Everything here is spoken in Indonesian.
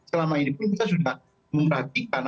selama ini pun kita sudah memperhatikan